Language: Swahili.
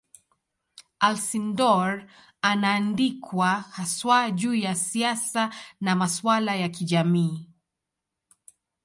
Alcindor anaandikwa haswa juu ya siasa na masuala ya kijamii.